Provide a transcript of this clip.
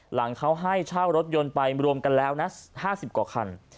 หลังเขาให้เช่ารถยนต์ไปรวมกันแล้วนะ๕๐กว่าคัน